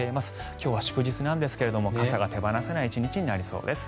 今日は祝日なんですが傘が手放せない１日となりそうです。